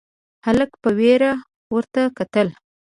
هلک په وېره ورته کتل: